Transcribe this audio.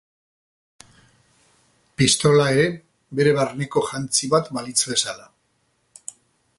Pistola ere bere barneko jantzi bat balitz bezala.